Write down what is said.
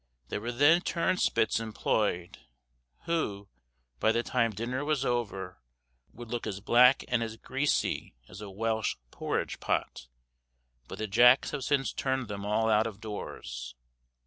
There were then turnspits employed, who, by the time dinner was over, would look as black and as greasy as a Welsh porridge pot, but the jacks have since turned them all out of doors.